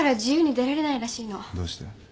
どうして？